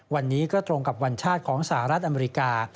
วันนี้ก็ตรงกับวันชาติของสหรัฐอเมริกา